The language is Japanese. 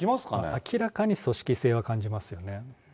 明らかに組織性は感じますよね。